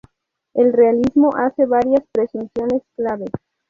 El realismo hace varias presunciones clave.